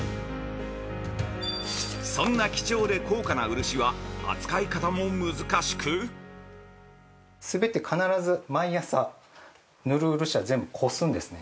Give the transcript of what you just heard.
そんな貴重で高価な漆は扱い方も難しく全て必ず、毎朝、塗る漆は全部こすんですね。